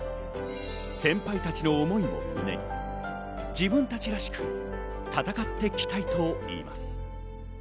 先輩たちの思いを込め、自分たちらしく戦っていきたいと言います。